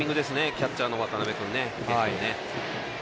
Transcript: キャッチャーの渡辺君ね。